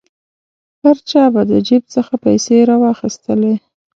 هر چا به د جیب څخه پیسې را واخیستلې.